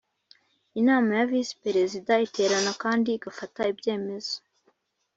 inama ya vice perezida iterana kandi igafata ibyemezo